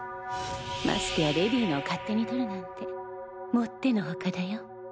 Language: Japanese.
ましてやレディーのを勝手に取るなんてもってのほかだよ。